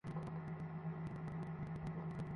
খাবারদাবারের মান নিয়ে প্রশ্ন উঠছে!